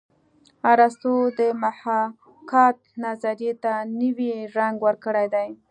ارستو د محاکات نظریې ته نوی رنګ ورکړی دی